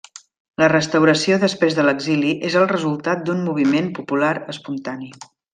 La restauració després de l'exili és el resultat d'un moviment popular, espontani.